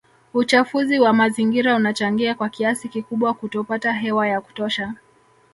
Uchafuzi wa mazingira unachangia kwa kiasi kikubwa kutopata hewa ya kutosha